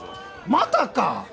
またか！？